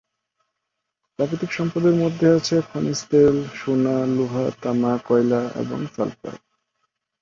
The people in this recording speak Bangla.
প্রাকৃতিক সম্পদের মধ্যে আছে খনিজ তেল, সোনা, লোহা, তামা, কয়লা এবং সালফার।